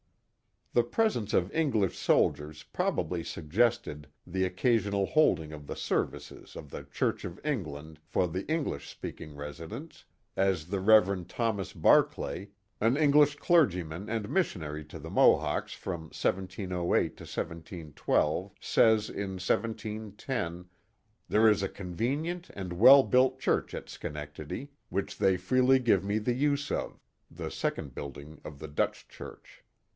The presence of English soldiers probably suggested the occasional holding of the services of the Church of England for the English speaking residents, as the Rev. Thomas Bar clay, an English clergyman and missionary to the M ohawks from 1708 1712, says in 1710: '* There is a convenient and well built church at Schenectady, which they freely give me the use of." (The second building of the Dutch Church.)